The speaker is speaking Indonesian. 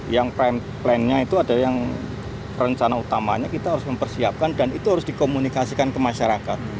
yang plannya itu ada yang rencana utamanya kita harus mempersiapkan dan itu harus dikomunikasikan ke masyarakat